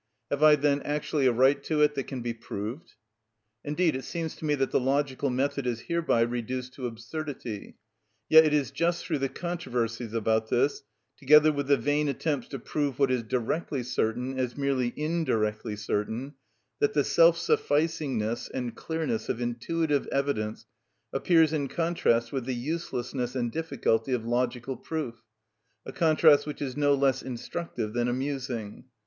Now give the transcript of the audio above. Have I, then, actually a right to it that can be proved?" Indeed it seems to me that the logical method is hereby reduced to absurdity. Yet it is just through the controversies about this, together with the vain attempts to prove what is directly certain as merely indirectly certain, that the self sufficingness and clearness of intuitive evidence appears in contrast with the uselessness and difficulty of logical proof—a contrast which is no less instructive than amusing.